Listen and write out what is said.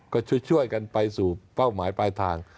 ก็ช่วยกันไปสู่เป้าหมายปลายทาง